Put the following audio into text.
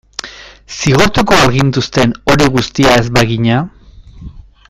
Zigortuko al gintuzten hori guztia ez bagina?